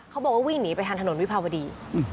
เขาบอกว่าวิ่งหนีไปทางถนนวิภาวดี